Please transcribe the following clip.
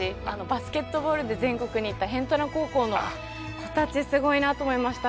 バスケットボールで全国に行った辺土名高校の子たちすごいなと思いました。